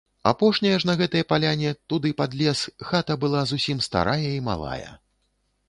Апошняя ж на гэтай паляне, туды пад лес, хата была зусім старая і малая.